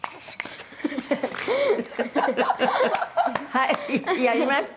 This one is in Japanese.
「はいやりました。